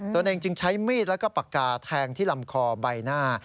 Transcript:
ตัวเองจึงใช้มีดแล้วก็ปากกาแทงที่ลำคอใบหน้า